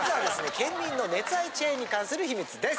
県民の熱愛チェーンに関する秘密です。